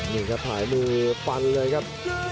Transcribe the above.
นี่ครับถ่ายรูปฟันเลยครับ